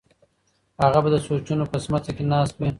هغه به د سوچونو په سمڅه کې ناست وي.